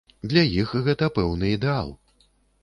Для іх гэта пэўны ідэал.